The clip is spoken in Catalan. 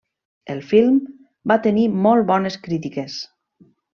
El film va tenir molt bones crítiques.